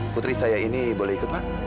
putri saya ini boleh ikut pak